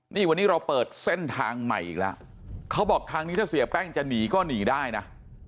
นี่วันนี้เราเปิดเส้นทางใหม่อีกแล้วเขาบอกทางนี้ถ้าเสียแป้งจะหนีก็หนีได้นะ